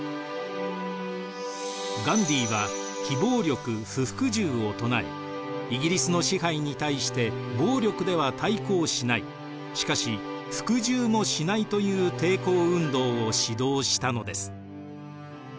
ガンディーは非暴力・不服従を唱えイギリスの支配に対して暴力では対抗しないしかし服従もしないという抵抗運動を指導したのです。